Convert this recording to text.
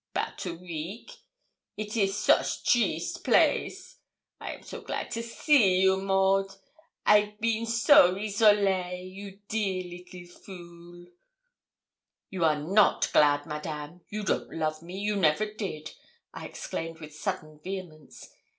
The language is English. ''Bout a week. It is soche triste place! I am so glad to see you, Maud! I've been so isolée, you dear leetle fool!' 'You are not glad, Madame; you don't love me you never did,' I exclaimed with sudden vehemence.